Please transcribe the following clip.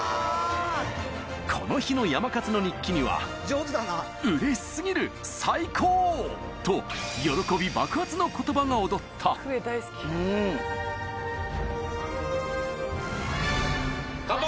この日のやまかつの日記には「うれしすぎる！最高！」と喜び爆発の言葉が躍った乾杯。